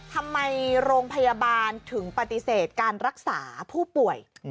ทำไมโรงพยาบาลถึงปฏิเสธการรักษาผู้ป่วย